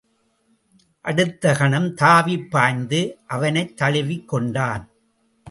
அடுத்த கணம் தாவிப் பாய்ந்து அவனைத் தழுவிக் கொண்டான்.